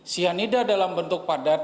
cyanida dalam bentuk padat